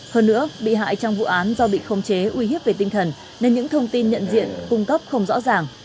hơn nữa bị hại trong vụ án do bị khống chế uy hiếp về tinh thần nên những thông tin nhận diện cung cấp không rõ ràng